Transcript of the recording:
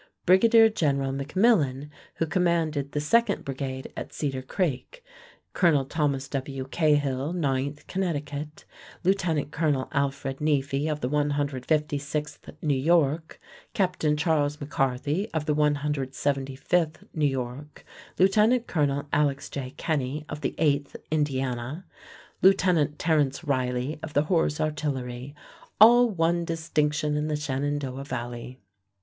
Brigadier General McMillan, who commanded the second brigide at Cedar Creek; Colonel Thomas W. Cahill, 9th Connecticut; Lieutenant Colonel Alfred Neafie of the 156th New York; Captain Charles McCarthy of the 175th New York; Lieutenant Colonel Alex. J. Kenny of the 8th Indiana; Lieutenant Terrence Reilly of the Horse Artillery, all won distinction in the Shenandoah Valley.